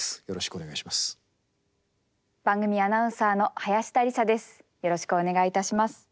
よろしくお願いします。